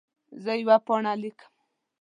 زه یوه پاڼه لیکم.